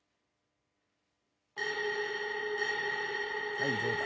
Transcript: はいどうだ？